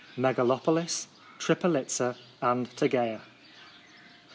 MEGALOPOLIS, TRIPOL1TZA, AND TEGEA.